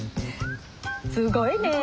すごいねえ。